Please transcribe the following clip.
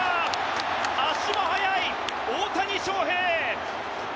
足も速い大谷翔平。